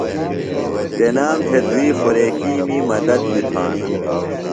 تنام تھےۡ دُوئی خوریکِیمی مدد بیۡ تھانہ۔